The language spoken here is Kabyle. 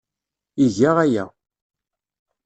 Iga aya.